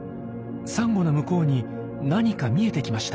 サンゴの向こうに何か見えてきました。